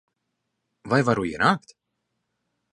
Vai varu ienākt?